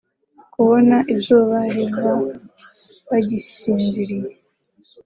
kubona izuba riva bagisinziriye